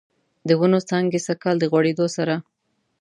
د ونوو څانګې سږکال، د غوړیدو سره